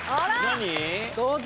どうぞ。